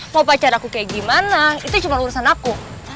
mau pacar aku kayak gimana itu cuma urusan aku